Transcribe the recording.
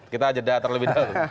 kita aja datang lebih dahulu